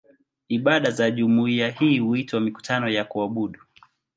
Ibada za jumuiya hii huitwa "mikutano ya kuabudu".